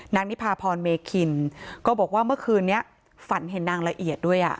นิพาพรเมคินก็บอกว่าเมื่อคืนนี้ฝันเห็นนางละเอียดด้วยอ่ะ